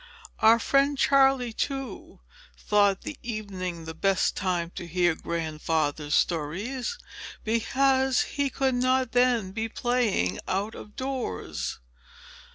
Our friend Charley, too, thought the evening the best time to hear Grandfather's stories, because he could not then be playing out of doors.